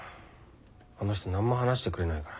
あの人何も話してくれないから。